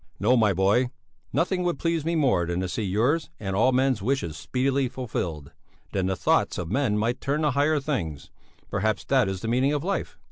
"No, my boy; nothing would please me more than to see yours and all men's wishes speedily fulfilled; then the thoughts of men might turn to higher things. Perhaps that is the meaning of life."